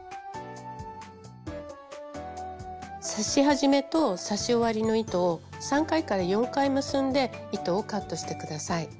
刺し始めと刺し終わりの糸を３回４回結んで糸をカットして下さい。